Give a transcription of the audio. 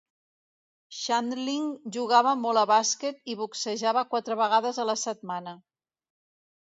Shandling jugava molt a bàsquet i boxejava quatre vegades a la setmana.